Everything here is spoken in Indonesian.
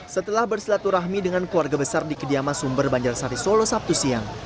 setelah bersilaturahmi dengan keluarga besar di kediaman sumber banjar sari solo sabtu siang